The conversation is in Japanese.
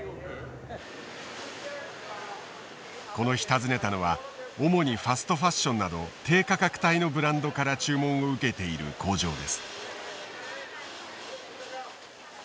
この日訪ねたのは主にファストファッションなど低価格帯のブランドから注文を受けている工場です。